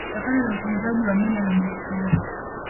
Kutokana na utunzaji wa mila na desturi